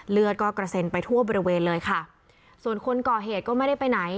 เลือดก็กระเซ็นไปทั่วบริเวณเลยค่ะส่วนคนก่อเหตุก็ไม่ได้ไปไหน